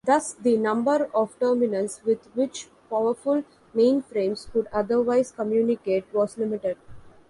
Thus the number of terminals with which powerful mainframes could otherwise communicate was limited.